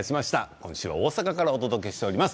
今週は大阪からお届けしています。